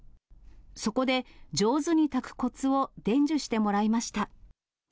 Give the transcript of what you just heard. そこで、上手に炊くこつを伝授してもらいました。